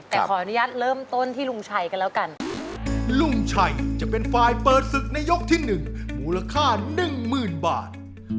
แต่ขออนุญาตเริ่มต้นที่ลุงชัยกันแล้วกัน